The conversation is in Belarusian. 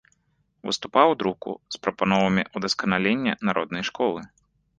Выступаў у друку з прапановамі ўдасканалення народнай школы.